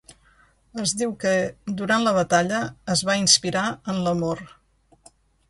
Es diu que, durant la batalla, es va inspirar en l'amor.